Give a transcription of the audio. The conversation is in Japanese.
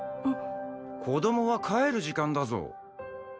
子供は帰る時間だぞ。